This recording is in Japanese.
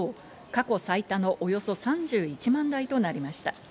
過去最多のおよそ３１万台となりました。